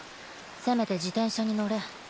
せめて自転車に乗れ。